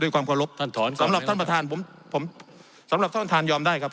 ยอมครับท่านทรอนสำหรับท่านประธานยอมได้ครับ